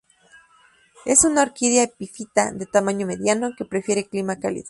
Es una orquídea epifita de tamaño mediano, que prefiere clima cálido.